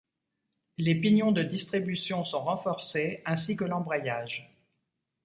Les pignons de distribution sont renforcés ainsi que l'embrayage.